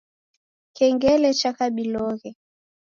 Kengele chakabiloghe